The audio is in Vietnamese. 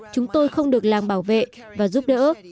chúng tôi không được làng bảo vệ và giúp đỡ